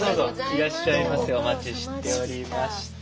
いらっしゃいませお待ちしておりました。